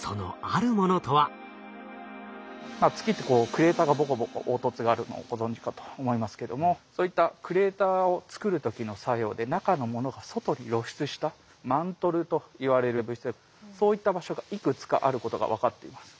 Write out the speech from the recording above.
月ってクレーターがボコボコ凹凸があるのをご存じかと思いますけどもそういったクレーターを作る時の作用で中のものが外に露出したマントルといわれる物質でそういった場所がいくつかあることが分かっています。